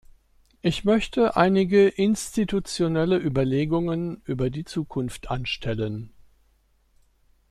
Ich möchte einige institutionelle Überlegungen über die Zukunft anstellen.